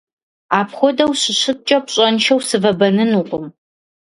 Апхуэдэу щыщыткӀэ, пщӀэншэу сывэбэнынукъым.